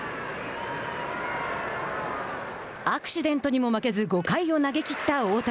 アクシデントにも負けず５回を投げ切った大谷。